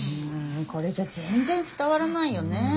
うんこれじゃ全ぜん伝わらないよね。